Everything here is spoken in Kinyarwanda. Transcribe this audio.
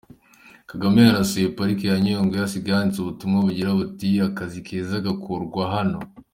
Kagame yanasuye Parike ya Nyungwe asiga yanditse ubutumwa bugira buti "Akazi keza gakorwa hano.